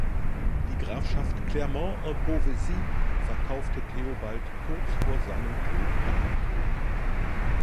Die Grafschaft Clermont-en-Beauvaisis verkaufte Theobald kurz vor seinem Tod an die Krone.